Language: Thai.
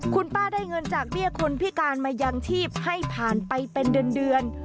คุณป้าได้เงินจากเบี้ยคนพิการมายังชีพให้ผ่านไปเป็นเดือน